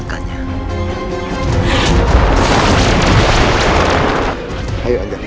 aku tidak akan bisa membiarkan dia disini